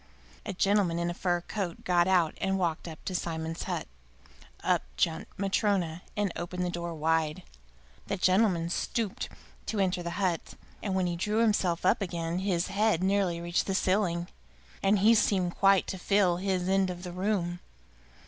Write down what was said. A gentleman in a fur coat got out and walked up to Simon's hut. Up jumped Matryona and opened the door wide. The gentleman stooped to enter the hut, and when he drew himself up again his head nearly reached the ceiling, and he seemed quite to fill his end of the room.